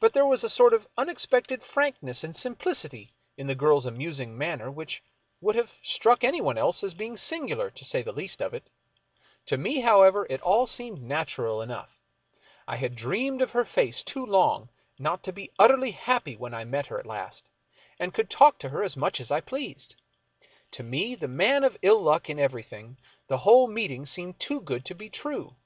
But there was a sort of unexpected frankness and simplicity in the girl's amusing manner which would have struck anyone else as being singular, to say the least of it. To me, however, it all seemed natural enough. I had dreamed of her face too long not to be utterly happy when I met her at last and could talk to her as much as I pleased. To me, the man of ill luck in everything, the whole meeting seemed too good to be true.